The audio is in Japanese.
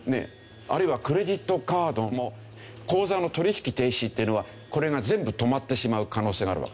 あるいはクレジットカードも口座の取引停止っていうのはこれが全部止まってしまう可能性があるわけですね。